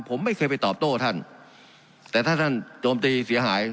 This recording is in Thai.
ผมไม่เคยไปตอบโต้ท่านแต่ถ้าท่านโจมตีเสียหาย